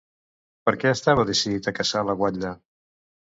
Per què estava decidit a caçar la guatlla?